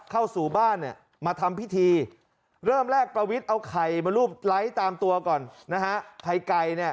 เข้าสู่บ้านมาทำพิธีเรียกประวิทธิ์เอาไขมะรูปไล้ตามตัวก่อนใครไก่แน่